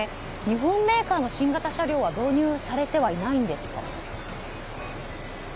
日本メーカーの新型車両は導入されてはいないんですか？